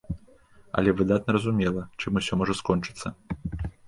Але выдатна разумела, чым усё можа скончыцца.